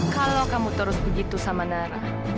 kalau kamu terus begitu sama nara